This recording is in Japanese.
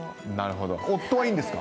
夫はいいんですか？